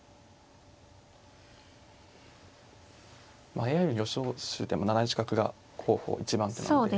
まあＡＩの予想手でも７一角が候補１番手なので。